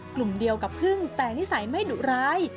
กลุ่มเดียวกับพึ่งแต่นิสัยไม่ดุร้าย